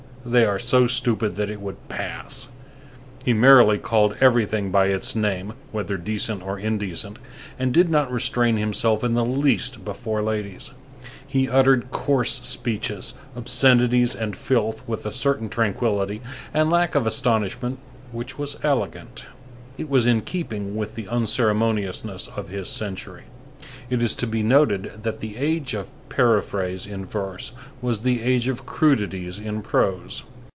They are so stupid that it would pass"; he merrily called everything by its name, whether decent or indecent, and did not restrain himself in the least before ladies. He uttered coarse speeches, obscenities, and filth with a certain tranquillity and lack of astonishment which was elegant. It was in keeping with the unceremoniousness of his century. It is to be noted that the age of periphrase in verse was the age of crudities in prose.